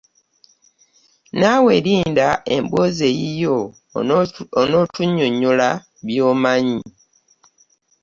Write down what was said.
Naawe linda emboozi eyiyo onootunnyonnyola by'omanyi.